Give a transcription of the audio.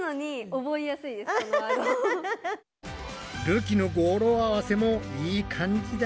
るきの語呂合わせもいい感じだ。